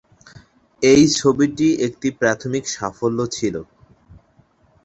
এই ছবিটি একটি প্রাথমিক সাফল্য ছিল।